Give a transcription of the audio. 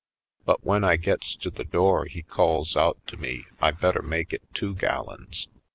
But when I gets to the door he calls out to me I better make it two gallons.